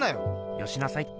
よしなさいって。